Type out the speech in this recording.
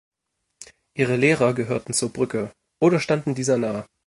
Ihre Lehrer gehörten zur „Brücke“ oder standen dieser nahe.